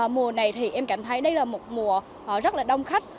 mùa này thì em cảm thấy đây là một mùa rất là đông khách